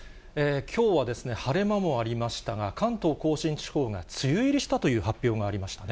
きょうは晴れ間もありましたが、関東甲信地方が梅雨入りしたという発表がありましたね。